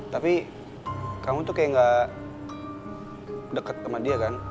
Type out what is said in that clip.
tapi kamu tuh kayak gak deket sama dia kan